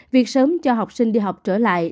việc sớm cho học sinh đi học trở lại